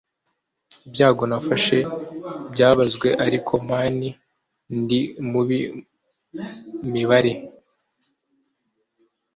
Ibyago nafashe byabazwe, ariko man, Ndi mubi mibare.